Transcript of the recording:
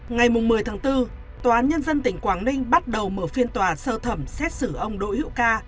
ngày một mươi tháng bốn tòa án nhân dân tỉnh quảng ninh bắt đầu mở phiên tòa sơ thẩm xét xử ông đỗ hữu ca